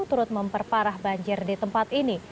turut memperparah banjir di tempat ini